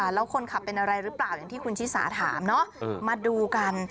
แล้วคนขับเป็นอะไรหรือเปล่าอย่างที่คุณชิสาถามมาดูกัน